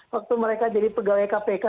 waktu mereka jadi pegawai kpk